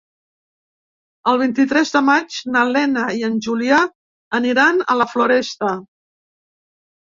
El vint-i-tres de maig na Lena i en Julià aniran a la Floresta.